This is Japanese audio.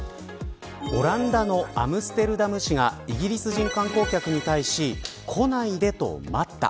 オランダのアムステルダム市がイギリス人観光客に対し来ないでと待った。